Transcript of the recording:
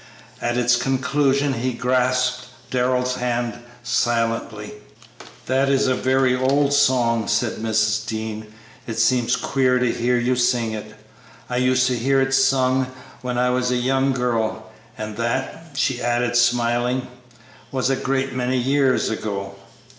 At its conclusion he grasped Darrell's hand silently. "That is a very old song," said Mrs. Dean. "It seems queer to hear you sing it. I used to hear it sung when I was a young girl, and that," she added smiling, "was a great many years ago."